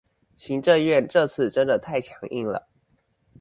行政院這次真的太強硬了